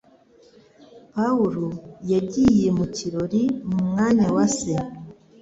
Pawulo yagiye mu kirori mu mwanya wa se.